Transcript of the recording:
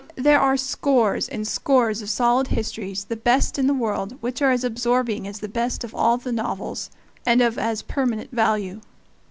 there are scores and scores of solid histories, the best in the world, which are as absorbing as the best of all the novels, and of as permanent value.